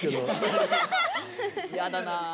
やだな。